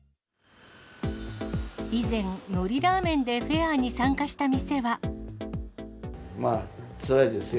以前、のりラーメンでフェアに参つらいですよ。